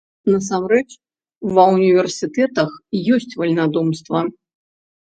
Насамрэч, ва ўніверсітэтах ёсць вальнадумства.